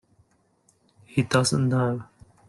He doesn't know.